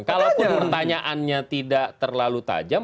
kalau pun pertanyaannya tidak terlalu tajam